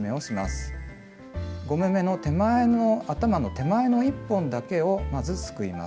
５目めの頭の手前の１本だけをまずすくいます。